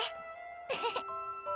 ウフフ。